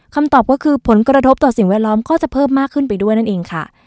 คำตอบก็คือผลกระทบต่อสิ่งแวดล้อมก็จะเพิ่มมากขึ้นไปด้วยนั่นเองค่ะ